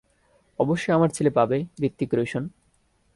অবশ্যই আমার ছেলে পাবে, হৃতিক রোশন।